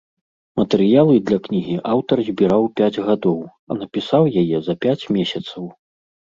Матэрыялы для кнігі аўтар збіраў пяць гадоў, а напісаў яе за пяць месяцаў.